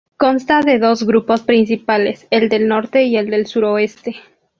Consta de dos grupos principales: el del norte y el del suroeste.